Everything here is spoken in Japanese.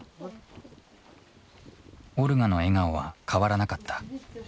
オルガの笑顔は変わらなかった。